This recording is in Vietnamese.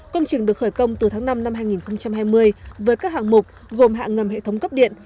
công trình được khởi công từ tháng năm năm hai nghìn hai mươi với các hạng mục gồm hạng ngầm hệ thống cấp điện